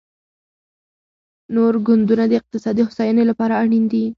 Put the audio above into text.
نور ګوندونه د اقتصادي هوساینې لپاره اړین دي